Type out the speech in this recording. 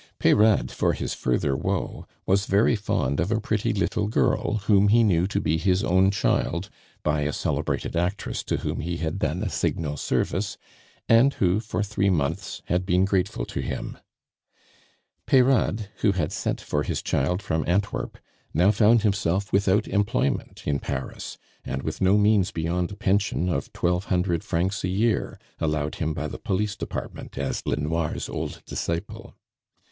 Peyrade, for his further woe, was very fond of a pretty little girl whom he knew to be his own child by a celebrated actress to whom he had done a signal service, and who, for three months, had been grateful to him. Peyrade, who had sent for his child from Antwerp, now found himself without employment in Paris and with no means beyond a pension of twelve hundred francs a year allowed him by the Police Department as Lenoir's old disciple.